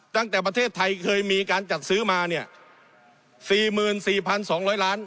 ตั้งแต่ประเทศไทยเคยมีการจัดซื้อมาเนี่ยสี่หมื่นสี่พันสองร้อยล้าน